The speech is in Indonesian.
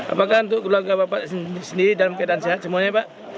apakah untuk keluarga bapak sendiri dalam keadaan sehat semuanya pak